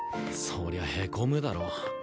そりゃへこむだろ。